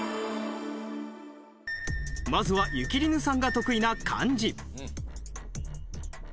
まずはゆきりぬさんが得意な漢字。